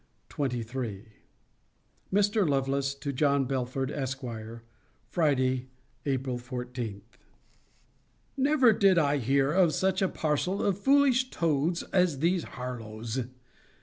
LETTER XXIII MR. LOVELACE, TO JOHN BELFORD, ESQ. FRIDAY, APRIL 14. Never did I hear of such a parcel of foolish toads as these Harlowes!